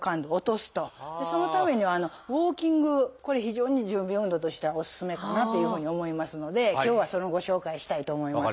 そのためにはウォーキングこれ非常に準備運動としてはおすすめかなというふうに思いますので今日はそのご紹介をしたいと思います。